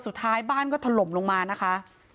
สุดท้ายบ้านก็ถล่มลงมานะคะ